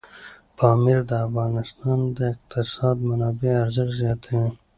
پامیر د افغانستان د اقتصادي منابعو ارزښت زیاتوي.